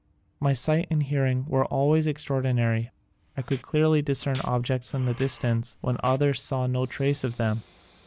My sight and hearing were always extraord inary. I could clearly discern objects in the distance when others saw no trace of them.